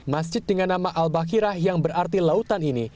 masjid dengan nama al bakhirah yang berarti lautan ini